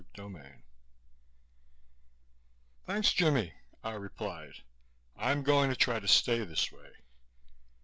CHAPTER 6 "Thanks, Jimmie," I replied. "I'm going to try to stay this way."